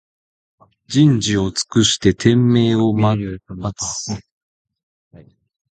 人事を尽くして天命を待つ